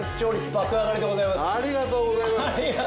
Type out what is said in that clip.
ありがとうございます。